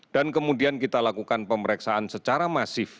dan kemudian kita lakukan pemeriksaan secara masif